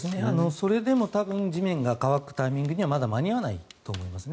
それでも多分地面が乾くタイミングにはまだ間に合わないと思いますね。